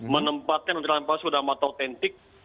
menempatkan antara lampasan sudah amat autentik